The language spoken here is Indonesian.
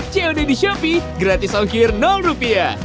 cod di shopee gratis ongkir rupiah